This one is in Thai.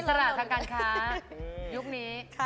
อิสระทางการค้ายุคนี้